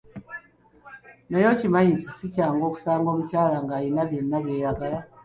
Naye okimanyi nti sikyangu kusanga mukyala ng'ayina byonna by'oyagala?